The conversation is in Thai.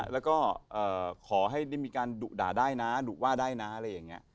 แล้วก็ขอให้ได้มีการดุด่าได้นะดุว่าได้นะอะไรอย่างนี้